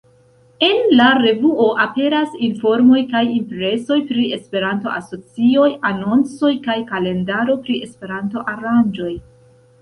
En la revuo aperas informoj kaj impresoj pri Esperanto-asocioj, anoncoj kaj kalendaro pri Esperanto-aranĝoj.